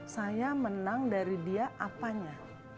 saya menang dari dia apanya